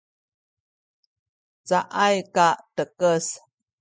caay katekes